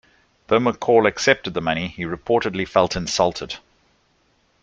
Though McCall accepted the money, he reportedly felt insulted.